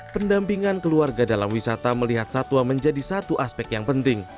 pendampingan keluarga dalam wisata melihat satwa menjadi satu aspek yang penting